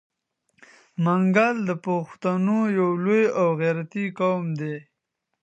منګل د پښتنو یو لوی او غیرتي قوم دی.